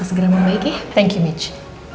segera membaiki thank you michi